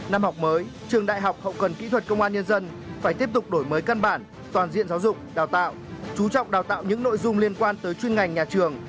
năm học mới trường đại học hậu cần kỹ thuật công an nhân dân phải tiếp tục đổi mới căn bản toàn diện giáo dục đào tạo chú trọng đào tạo những nội dung liên quan tới chuyên ngành nhà trường